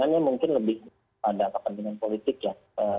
karena bagaimanapun pak emir ini kan dari partai politik yang berpengaruh